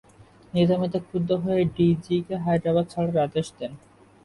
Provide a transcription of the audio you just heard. নিজাম এতে ক্ষুব্ধ হয়ে ডি জি কে হায়দ্রাবাদ ছাড়ার আদেশ দেন।